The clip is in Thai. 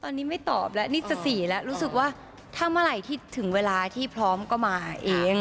ตอนนี้ไม่ตอบแล้วนี่จะ๔แล้วรู้สึกว่าถ้าเมื่อไหร่ที่ถึงเวลาที่พร้อมก็มาเอง